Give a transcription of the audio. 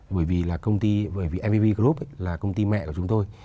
bởi vì là công ty mvv group là công ty mẹ của chúng tôi